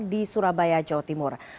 di surabaya jawa timur